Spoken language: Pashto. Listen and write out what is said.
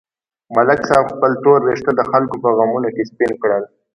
ملک صاحب خپل تور وېښته د خلکو په غمونو کې سپین کړل.